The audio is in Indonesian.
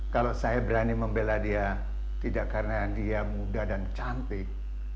kalau saya berani membela dia tidak karena dia muda dan cantik